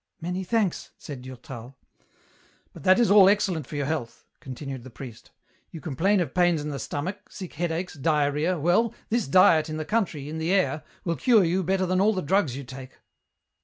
Many thanks," said Durtal, " But all that is excellent for your health," continued the priest, " you complain of pains in the stomach, sick head aches, diarrhoea, well, this diet, in the country, in the air, will cure you better than all the drugs you take.